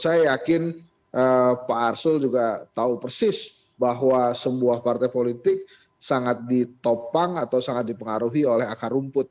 saya yakin pak arsul juga tahu persis bahwa sebuah partai politik sangat ditopang atau sangat dipengaruhi oleh akar rumput